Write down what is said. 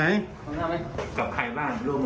อันเกมแล้วใครบ้าง